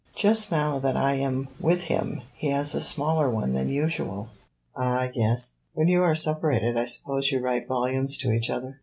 Just now that I am with him he has a smaller one than usual." "Ah yes. When you are separated I suppose you write volumes to each other.